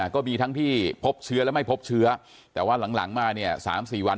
ก็มีทั้งที่พบเชื้อและไม่พบเชื้อแต่ว่าหลังมาเนี่ย๓๔วัน